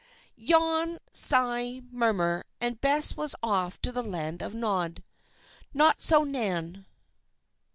Yawn sigh murmur, and Bess was off to the Land of Nod. Not so Nan.